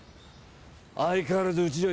相変わらずうちじゃ